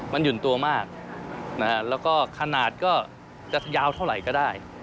มันหยุ่นตัวมากแล้วก็ขนาดก็จะยาวเท่าไหร่ก็ได้